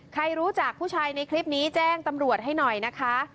ใครรู้จักผู้ชายในคลิปนี้แจ้งตำรวจให้หน่อยนะคะ